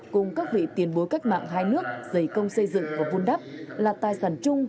cùng các vị tiền bối cách mạng hai nước dày công xây dựng và vun đắp là tài sản chung